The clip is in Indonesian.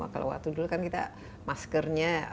kalau waktu dulu kan kita maskernya